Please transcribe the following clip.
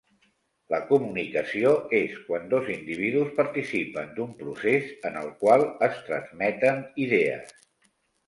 La comunicació és quan dos individus participen d'un procés en el qual es transmeten idees.